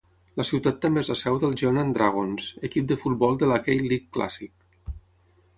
La ciutat també és la seu del Jeonnam Dragons, equip de futbol de la K League Classic.